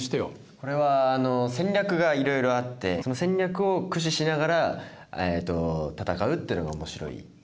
これは戦略がいろいろあってその戦略を駆使しながら戦うってのが面白いってことですね。